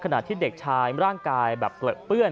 ขณะที่เด็กชายร่างกายแบบเปลือเปื้อน